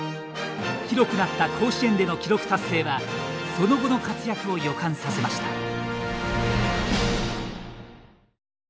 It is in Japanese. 広くなった甲子園での記録達成はその後の活躍を予感させました。